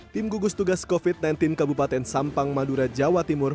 tim gugus tugas covid sembilan belas kabupaten sampang madura jawa timur